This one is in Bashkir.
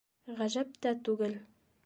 Ғәжәп тә түгел.